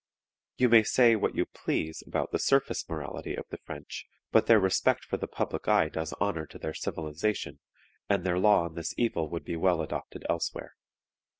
You may say what you please about the surface morality of the French, but their respect for the public eye does honor to their civilization, and their law on this evil would be well adopted elsewhere.